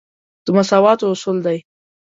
د مساواتو اصول دی.